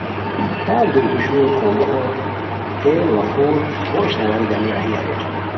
تان دُوراری پوشور، خومبوخو تیل وا خور بو اشناواری گانی راہی اریر